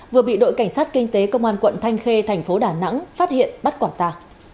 vừa bị đội cảnh sát kinh tế công an quận thanh khê tp đà nẵng phát hiện bắt quả tà